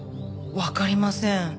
わかりません。